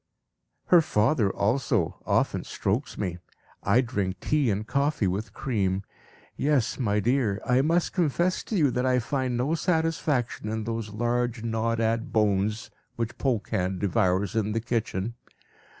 "Her father also often strokes me. I drink tea and coffee with cream. Yes, my dear, I must confess to you that I find no satisfaction in those large, gnawed at bones which Polkan devours in the kitchen.